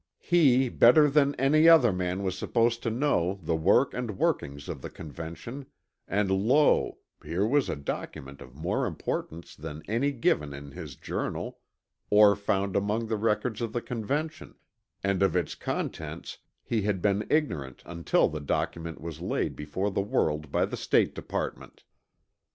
He better than any other man was supposed to know, the work and workings of the Convention, and lo, here was a document of more importance than any given in his journal, or found among the records of the Convention, and of its contents he had been ignorant until the document was laid before the world by the State Department!